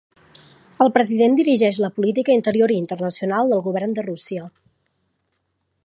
El president dirigeix la política interior i internacional del govern de Rússia.